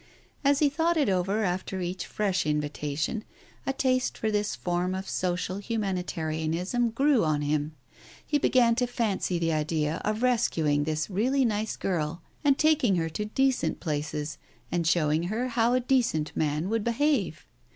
As he thought it over after each fresh invitation, a taste for this form of social humanitarianism grew on him. He began to fancy the idea of rescuing this really nice girl and taking her to decent places and showing her how a decent man would behave.